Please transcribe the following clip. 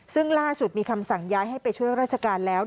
ซึ่งล่าสุดมีคำสั่งย้ายให้ไปช่วยราชการแล้ว